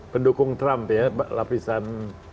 pendukung trump ya lapisan